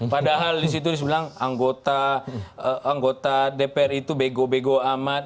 padahal di situ dia bilang anggota dpr itu bego bego amat